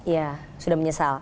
ya sudah menyesal